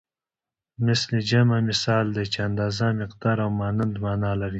مثل جمع مثال دی چې اندازه مقدار او مانند مانا لري